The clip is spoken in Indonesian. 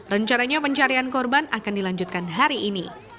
rencananya pencarian korban akan dilanjutkan hari ini